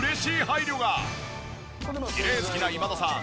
きれい好きな今田さん